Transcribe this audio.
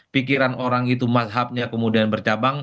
pikiran orang itu mazhabnya kemudian bercabang